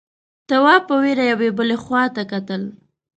تواب په وېره يوې بلې خواته کتل…